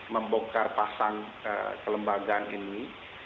membongkar pasang kelembagaan ini